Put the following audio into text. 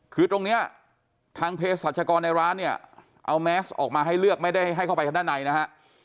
คือตรงนี้ทางเพศรัชกรในร้านเนี่ยเอาแมสออกมาให้เลือกไม่ได้ให้เข้าไปข้างด้านในนะฮะ